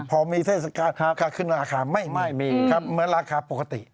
พอมีเทศกาลค่าขึ้นราคาไม่มีครับเหมือนราคาปกติ